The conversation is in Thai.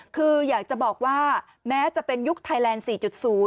คืออยากจะบอกว่าแม้จะเป็นยุคไทยแลนด์๔๐